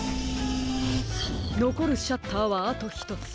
のこるシャッターはあとひとつ。